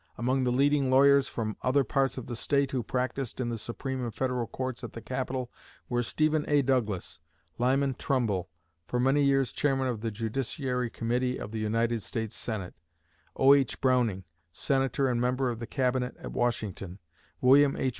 Among the leading lawyers from other parts of the State who practiced in the Supreme and Federal Courts at the capital were Stephen A. Douglas; Lyman Trumbull, for many years chairman of the judiciary committee of the United States Senate; O.H. Browning, Senator and member of the Cabinet at Washington; William H.